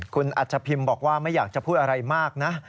คุณอัชพิมพ์บอกว่าไม่อยากจะพูดอะไรมากนะ